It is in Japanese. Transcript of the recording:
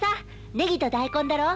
ネギと大根だろ。